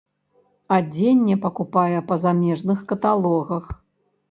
Адзенне пакупае па замежных каталогах.